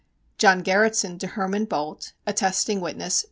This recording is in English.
JOHN GARRETSON to BROWNE, HERMAN BOLTE attesting witness.